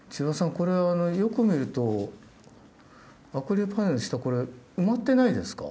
これよく見るとアクリル板より下これ埋まってないですか？